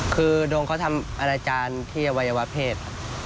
คือดวงเขาทำอาณาจารย์ที่อวัยวะเพศ